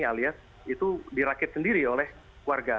alias itu dirakit sendiri oleh warga